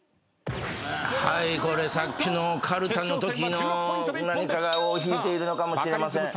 これさっきのかるたのときの何かが尾を引いているのかもしれません。